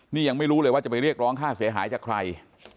นี่ยังไม่รู้เลยว่าจะไปเรียกร้องค่าเสียหายจากใคร